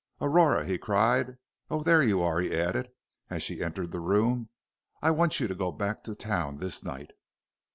Aurora," he cried. "Oh, there you are," he added, as she entered the room. "I want you to go back to town this night."